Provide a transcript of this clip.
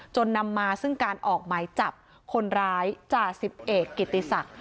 นำมาซึ่งการออกหมายจับคนร้ายจ่าสิบเอกกิติศักดิ์